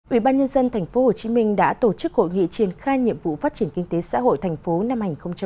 ubnd tp hcm đã tổ chức hội nghị triển khai nhiệm vụ phát triển kinh tế xã hội tp hcm năm hai nghìn hai mươi